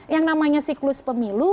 yang namanya siklus pemilu